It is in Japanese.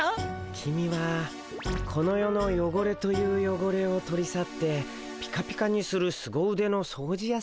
キミはこの世のよごれというよごれを取り去ってピカピカにするすご腕の掃除やさんだね。